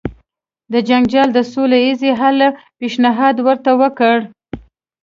د جنجال د سوله ایز حل پېشنهاد یې ورته وکړ.